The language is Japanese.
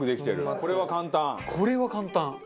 これは簡単。